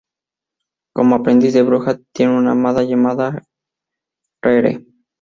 Como aprendiz de bruja tiene una hada llamada Rere.